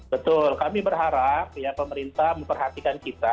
betul kami berharap pemerintah memperhatikan kita